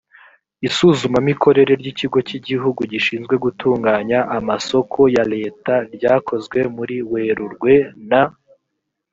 isuzumamikorere ry ikigo cy igihugu gishinzwe gutunganya amasoko ya leta ryakozwe muri werurwe na